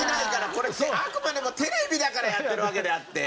これってあくまでもテレビだからやってるわけであって。